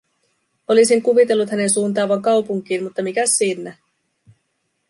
Olisin kuvitellut hänen suuntaavan kaupunkiin, mutta mikäs siinnä.